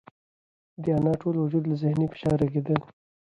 د انا ټول وجود له ذهني فشاره رېږدېده.